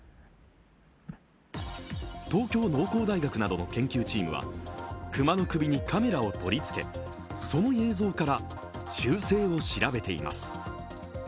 東京農工大学などの研究チームは、熊の首にカメラを取りつけ、その映像から習性を調べています。